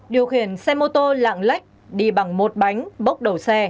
điều khiển xe mô tô lạng lách đi bằng một bánh bốc đầu xe